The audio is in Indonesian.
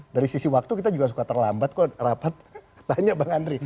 dari sisi waktu kita juga suka terlambat kok rapat tanya bang andri